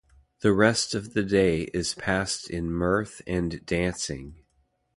The rest of the day is passed in mirth and dancing.